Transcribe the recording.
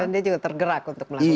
dan dia juga tergerak untuk melakukannya